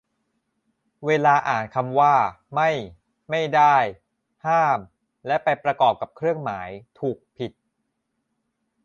เวลาอ่านคำว่า "ไม่" "ไม่ได้" "ห้าม" แล้วไปประกอบกับเครื่องหมาย ถูก ผิด